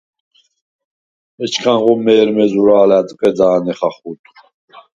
ეჩქანღო მე̄რმე ზურა̄ლ ა̈დყედა̄ნე ხახუ̂დ.